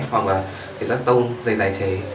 hoặc là cái lát tông dây tài chế